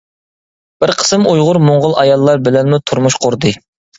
بىر قىسىم ئۇيغۇر موڭغۇل ئاياللار بىلەنمۇ تۇرمۇش قۇردى.